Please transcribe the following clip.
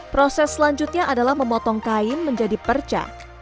proses selanjutnya adalah memotong kain menjadi perca